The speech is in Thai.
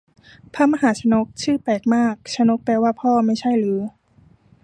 พระมหาชนก ชื่อแปลกมาก ชนกแปลว่าพ่อไม่ใช่หรือ